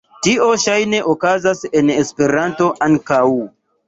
Tio ŝajne okazas en Esperanto ankaŭ.